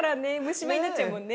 虫歯になっちゃうもんね。